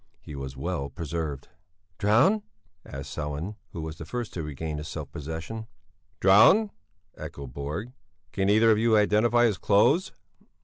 He was well preserved. "Drowned?" asked Sellén, who was the first to regain his self possession. "Drowned," echoed Borg. "Can either of you identify his clothes?"